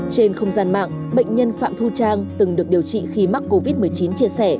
trên không gian mạng bệnh nhân phạm thu trang từng được điều trị khi mắc covid một mươi chín chia sẻ